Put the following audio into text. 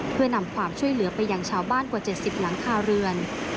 เพื่อนำความช่วยเหลือไปยังชาวบ้านกว่า๗๐หลังคาเรือน